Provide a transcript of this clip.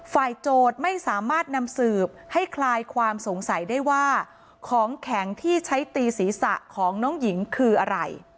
โจทย์ไม่สามารถนำสืบให้คลายความสงสัยได้ว่าของแข็งที่ใช้ตีศีรษะของน้องหญิงคืออะไร